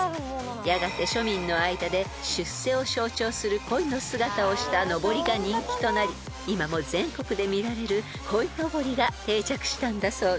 ［やがて庶民の間で出世を象徴するコイの姿をしたのぼりが人気となり今も全国で見られるこいのぼりが定着したんだそうです］